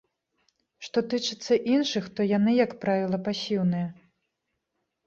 Што тычыцца іншых, то яны, як правіла, пасіўныя.